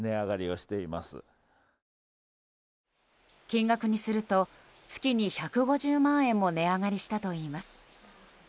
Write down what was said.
金額にすると月に１５０万円も値上がりしたといいます。